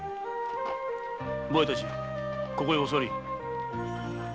お前たちここへお座り。